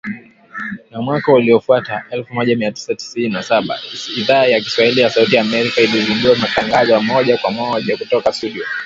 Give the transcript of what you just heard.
Na mwaka uliofuata, elfu moja mia tisa sitini na saba, Idhaa ya Kiswahili ya Sauti ya Amerika ilizindua matangazo ya moja kwa moja kutoka studio